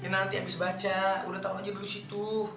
nanti habis baca udah tahu aja dulu situ